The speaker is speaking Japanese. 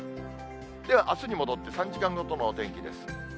では、あすに戻って３時間ごとのお天気です。